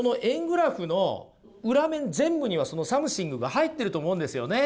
グラフの裏面全部にはそのサムシングが入ってると思うんですよね。